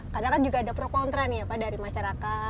kadang kan juga ada pro kontra nih ya pak dari masyarakat